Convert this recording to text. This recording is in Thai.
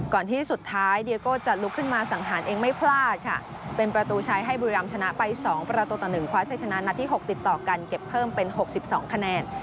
ที่สุดท้ายเดียโก้จะลุกขึ้นมาสังหารเองไม่พลาดค่ะเป็นประตูใช้ให้บุรีรำชนะไป๒ประตูต่อ๑คว้าชัยชนะนัดที่๖ติดต่อกันเก็บเพิ่มเป็น๖๒คะแนน